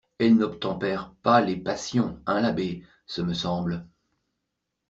Elles n'obtempèrent pas les passions, hein l'abbé, ce me semble?